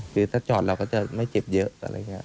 คือถ้าจอดเราก็จะไม่เจ็บเยอะอะไรอย่างนี้